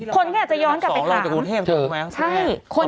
คนก็อยากจะย้อนกลับไปถามสองรองจากกรุงเทพฯถูกไหม